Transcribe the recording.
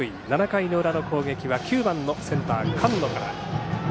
７回の裏の攻撃は９番のセンター菅野から。